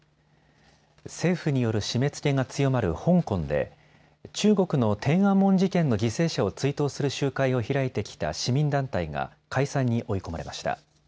政府による締めつけが強まる香港で中国の天安門事件の犠牲者を追悼する集会を開いてきた市民団体が解散に追い込まれました。